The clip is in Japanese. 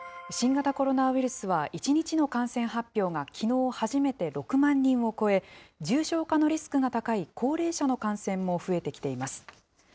新型コロナウイルスは、１日の感染発表がきのう初めて６万人を超え、重症化のリスクが高い高齢者の感染も増えてきています。